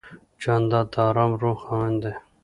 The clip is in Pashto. جانداد د آرام روح خاوند دی.